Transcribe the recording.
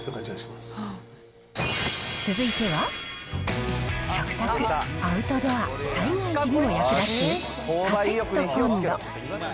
続いては、食卓、アウトドア、災害時にも役立つカセットコンロ。